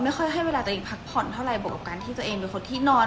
ค่อยให้เวลาตัวเองพักผ่อนเท่าไรบวกกับการที่ตัวเองเป็นคนที่นอน